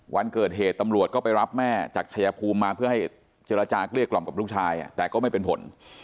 วันเกิดเหตุตำรวจก็ไปรับแม่จากชายภูมิมาเพื่อให้เจรจาเกลี้ยกล่อมกับลูกชายแต่ก็ไม่เป็นผล